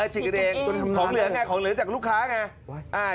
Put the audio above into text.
ฉีดกันเองของเหลือจากลูกค้าไง